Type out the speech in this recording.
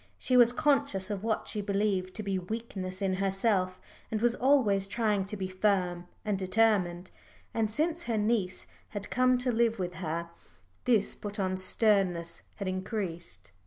She was conscious of what she believed to be weakness in herself, and was always trying to be firm and determined. And since her niece had come to live with her, this put on sternness had increased.